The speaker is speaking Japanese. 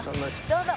どうぞ。